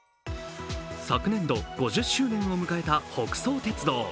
昨年度、５０周年を迎えた北総鉄道。